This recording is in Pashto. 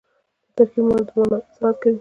ترکیب د مانا وضاحت کوي.